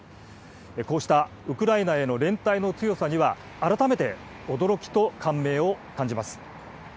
こうしたウクライナへの連帯の強さには、改めて驚きと感銘を感じます。